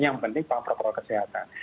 yang penting protokol kesehatan